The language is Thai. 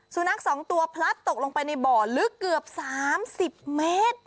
สุนัขสองตัวพลัดตกลงไปในบ่อลึกเกือบสามสิบเมตร